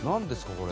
これ。